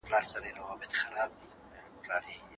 نه بچی وي د کارګه چاته منلی